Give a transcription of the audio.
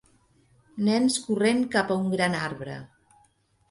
Nens corrent cap a un gran arbre.